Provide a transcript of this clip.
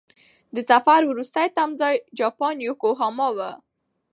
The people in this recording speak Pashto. د سفر وروستی تمځی جاپان یوکوهاما و.